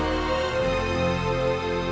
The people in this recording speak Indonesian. nathan itu kenapa sih sebenarnya